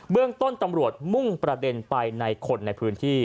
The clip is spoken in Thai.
เรื่องต้นตำรวจมุ่งประเด็นไปในคนในพื้นที่